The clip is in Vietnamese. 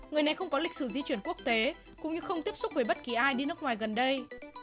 người này không có lịch sử di chuyển quốc tế cũng như không tiếp xúc với bất kỳ ai đi nước ngoài gần đây